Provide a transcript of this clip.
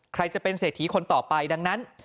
ใครจะเป็นเศรษฐีคนต่อไปดังนั้น